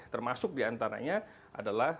termasuk diantaranya adalah